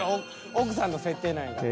奥さんの設定なんやから。